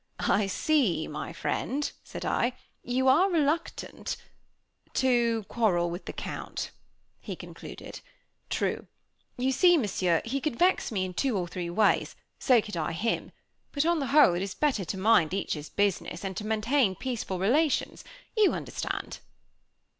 "I see, my friend," said I, "you are reluctant " "To quarrel with the Count," he concluded. "True. You see, Monsieur, he could vex me in two or three ways, so could I him. But, on the whole, it is better each to mind his business, and to maintain peaceful relations; you understand."